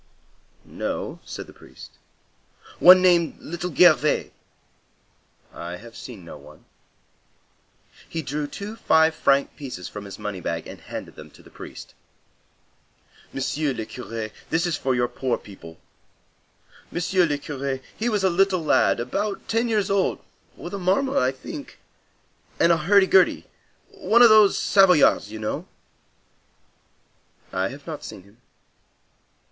"No," said the priest. "One named Little Gervais?" "I have seen no one." He drew two five franc pieces from his money bag and handed them to the priest. "Monsieur le Curé, this is for your poor people. Monsieur le Curé, he was a little lad, about ten years old, with a marmot, I think, and a hurdy gurdy. One of those Savoyards, you know?" "I have not seen him."